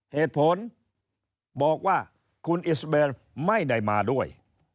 เหตุผลบอกว่าคุณอิสเบนไม่ได้มาด้วย